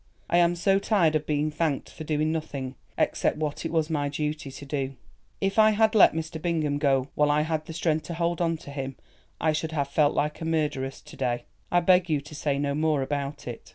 "I am so tired of being thanked for doing nothing, except what it was my duty to do. If I had let Mr. Bingham go while I had the strength to hold on to him I should have felt like a murderess to day. I beg you to say no more about it."